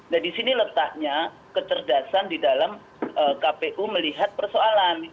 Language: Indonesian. nah disini letaknya kecerdasan di dalam kpu melihat persoalan